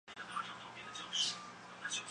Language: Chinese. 是欧洲著名的高山花卉。